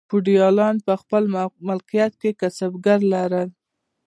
فیوډالانو په خپل مالکیت کې کسبګر لرل.